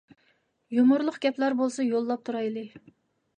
يۇمۇرلۇق گەپلەر بولسا يوللاپ تۇرايلى.